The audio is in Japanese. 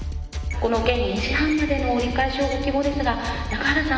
この件２時半までの折り返しをご希望ですが中原さん